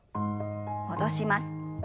戻します。